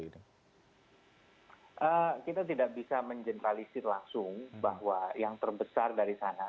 kita tidak bisa mengeneralisir langsung bahwa yang terbesar dari sana